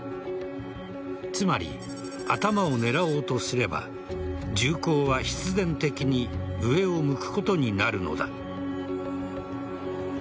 つまり、頭を狙おうとすれば銃口は必然的に上を向くことになるのだ。